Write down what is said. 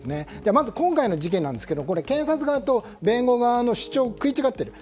まず、今回の事件は検察側と弁護側の主張が食い違っている。